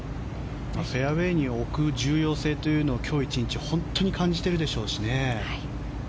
フェアウェーに置く重要性というのを今日１日本当に感じているでしょうしね。